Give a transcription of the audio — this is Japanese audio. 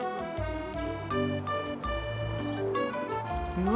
うわ！